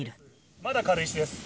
まだ軽石です。